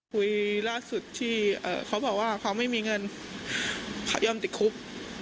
คุยล่าสุดที่เขาบอกว่าเขาไม่มีเงินเขายอมติดคุก